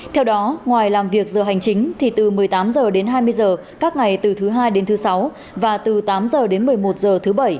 theo đó ngoài làm việc giờ hành chính thì từ một mươi tám h đến hai mươi h các ngày từ thứ hai đến thứ sáu và từ tám h đến một mươi một h thứ bảy